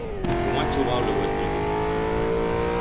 Cómo ha chugau lo vuestro equipo!